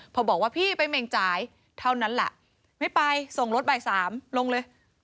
พอบอกว่าพี่ไปเหม่งจ่ายเท่านั้นแหละไม่ไปส่งรถบ่ายสามลงเลย